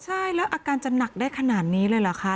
ใช่แล้วอาการจะหนักได้ขนาดนี้เลยเหรอคะ